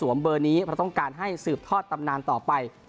แล้วก็ยินดีให้สหรัฐสวมเบอร์นี้เพราะต้องการให้สืบทอดตำนานต่อไป